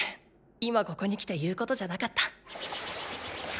今ここに来て言うことじゃなかった！